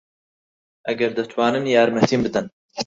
ئەگەر دەتوانن یارمەتیم بدەن.